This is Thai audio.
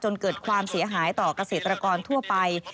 เกิดความเสียหายต่อเกษตรกรทั่วไป